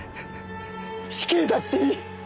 死刑だっていい。